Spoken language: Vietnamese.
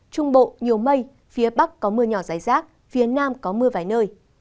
trung bộ nhiều mây phía bắc có mưa nhỏ rải rác phía nam có mưa vài nơi